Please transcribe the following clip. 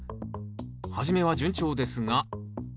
初めは順調ですが。